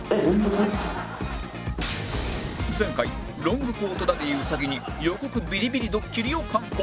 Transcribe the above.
前回ロングコートダディ兎に予告ビリビリドッキリを敢行